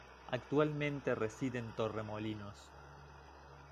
Actualmente reside en Torremolinos.